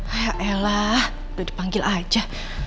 ayak ella udah dipanggil aja